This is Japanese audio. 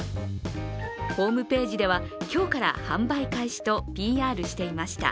ホームページでは今日から販売開始とＰＲしていました。